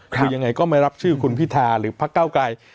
คือยังไงก็ไม่รับชื่อคุณพิธาหรือพักเก้าไกร